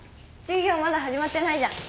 授業まだ始まってないじゃん。